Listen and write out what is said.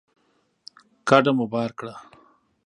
کډه مو بار کړه